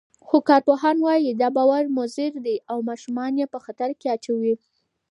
خو کارپوهان وايي، دا باور مضر دی او ماشومان یې په خطر کې اچوي.